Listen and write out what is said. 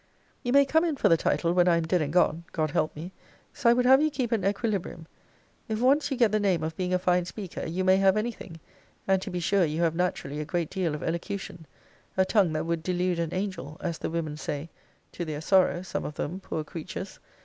You may come in for the title when I am dead and gone God help me! So I would have you keep an equilibrium. If once you get the name of being a fine speaker, you may have any thing: and, to be sure, you have naturally a great deal of elocution; a tongue that would delude an angel, as the women say to their sorrow, some of them, poor creatures!